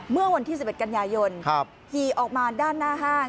เมื่อวันที่๑๑กันยายนขี่ออกมาด้านหน้าห้าง